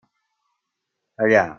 Allà.